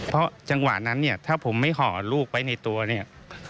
เพราะจังหวะนั้นเนี่ยถ้าผมไม่ห่อลูกไว้ในตัวเนี่ย